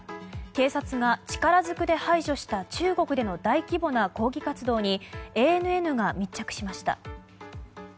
警察が、力ずくで排除した中国での大規模な抗議活動にＡＮＮが密着しました。